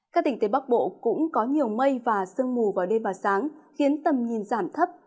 các tỉnh tây bắc bộ cũng có nhiều mây và sương mù vào đêm và sáng khiến tầm nhìn giảm thấp